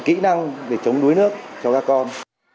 kỹ năng để chống đuối nước cho các con